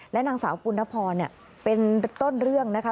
และนางสาวปุ่นนพรธนูทรเป็นต้นเรื่องนะคะ